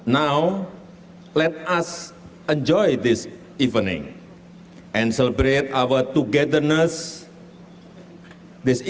tapi sekarang biarkan kita menikmati malam ini dan merayakan kesempatan kita